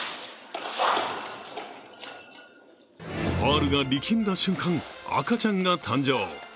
パールが力んだ瞬間、赤ちゃんが誕生。